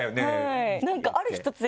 はいある日突然。